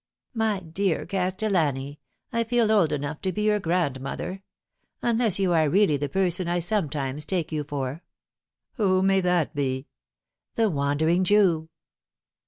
My dear Castellani, I feel old enough to be your grand mother ; unless you are really the person I sometimes take you for" "Who may that be?" " The Wandering Jew."